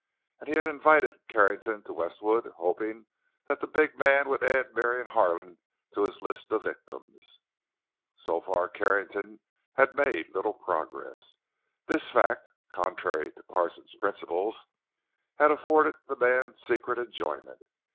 And he had invited Carrington to Westwood, hoping that the big man would add Marion Harlan to his list of victims. So far, Carrington had made little progress. This fact, contrary to Parsons' principles, had afforded the man secret enjoyment.